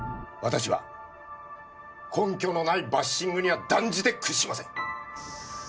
私は根拠のないバッシングには断じて屈しません。